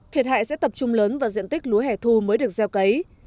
thiệt hại sẽ tập trung lớn vào diện tích lúa hẻ thu mới được gieo cấy